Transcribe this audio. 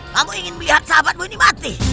kamu ingin melihat sahabatmu ini mati